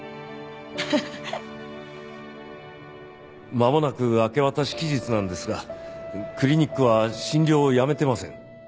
まもなく明け渡し期日なんですがクリニックは診療をやめてません。